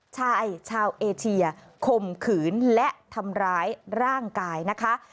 ชายชาวเอเชียคมขืนและทำร้ายร่างกายนะคะ